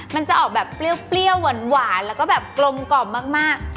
มันจะออกแบบเปรี้ยวหวานแล้วก็แบบกลมกล่อมมาก